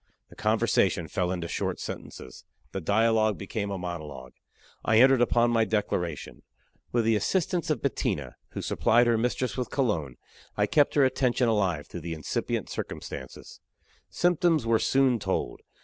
The conversation fell into short sentences. The dialogue became a monologue. I entered upon my declaration. With the assistance of Bettina, who supplied her mistress with cologne, I kept her attention alive through the incipient circumstances. Symptoms were soon told.